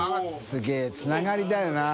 すげぇつながりだよな。